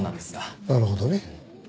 なるほどね。